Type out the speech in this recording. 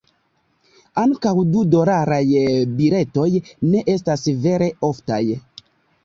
Ankaŭ du-dolaraj biletoj ne estas vere oftaj.